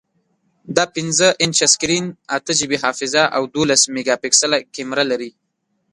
دا پنځه انچه سکرین، اته جی بی حافظه، او دولس میګاپکسله کیمره لري.